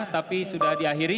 tapi sudah diakhiri